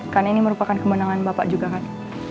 karena ini merupakan kemenangan bapak juga kan